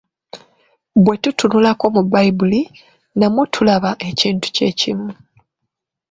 Bwe tutunulako mu Bbayibuli, namwo tulaba ekintu kye kimu.